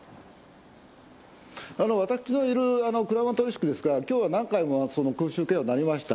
私のいるクラマトルシクですが今日は何回も空襲警報が鳴りました。